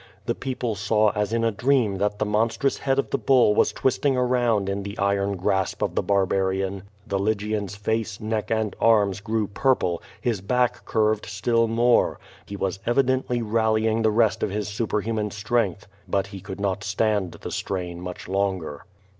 The people saw as in a dream that the monstrous head of the bull was twisting around in the iron grasp of the barbarian. The Lygian's face, neck and arms grew purple, his back curved still more. He was evidently rallying the rest of his superhuman strength. But he could not stand the strain much longer.